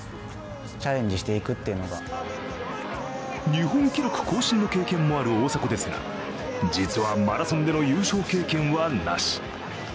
日本記録更新の経験もある大迫ですが実は、マラソンでの優勝経験はなし。